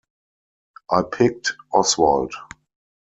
I picked Oswald.